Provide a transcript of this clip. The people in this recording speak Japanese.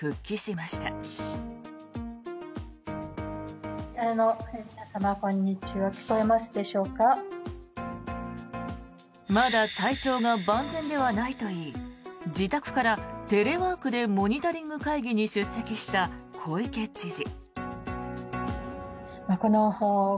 まだ体調が万全ではないといい自宅からテレワークでモニタリング会議に出席した小池知事。